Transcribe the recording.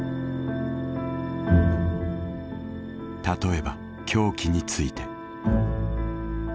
例えば凶器について。